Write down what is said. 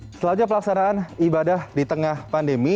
setelahnya pelaksanaan ibadah di tengah pandemi